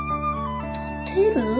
立てる？